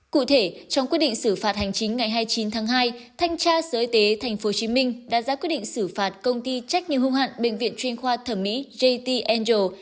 cụ thể trong quyết định xử phạt hành chính ngày hai mươi chín tháng hai thanh tra sở y tế tp hcm đã ra quyết định xử phạt công ty trách nhiệm hưu hạn bệnh viện chuyên khoa thẩm mỹ jt angel